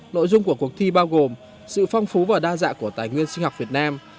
nội dung của cuộc thi bao gồm sự phong phú và đa dạng của tài nguyên sinh học việt nam